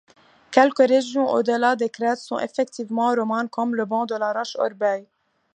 Quelques régions au-delà des crêtes sont effectivement romanes comme le Ban-de-la-Roche, Orbey.